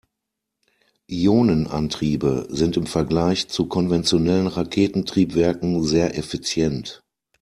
Ionenantriebe sind im Vergleich zu konventionellen Raketentriebwerken sehr effizient.